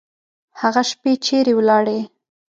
هغه شپې چیري ولاړې؟